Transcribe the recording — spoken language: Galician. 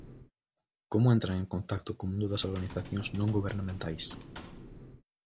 Como entran en contacto co mundo das organizacións non gobernamentais?